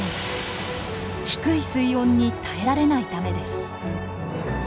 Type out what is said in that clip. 低い水温に耐えられないためです。